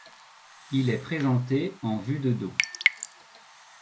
Il est présenté en vue de dos.